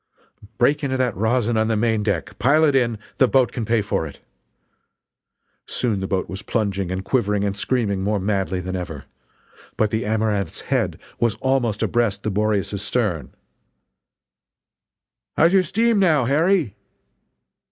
"Break into that rosin on the main deck pile it in, the boat can pay for it!" Soon the boat was plunging and quivering and screaming more madly than ever. But the Amaranth's head was almost abreast the Boreas's stern: "How's your steam, now, Harry?"